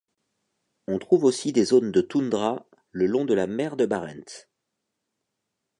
On trouve aussi des zones de toundra le long de la Mer de Barents.